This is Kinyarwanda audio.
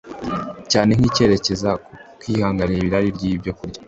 cyane nkicyerekeza ku kwihanganira irari ryibyokurya